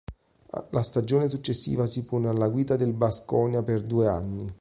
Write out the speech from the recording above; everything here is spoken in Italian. La stagione successiva si pone alla guida del Baskonia per due anni.